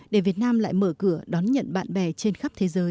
để việt nam lại mở cửa đón nhận bạn bè trên khắp thế giới